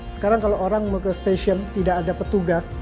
sekarang kalau orang mau ke stasiun tidak ada petugas